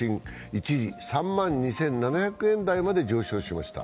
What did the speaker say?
一時、３万２７００円台まで上昇しました。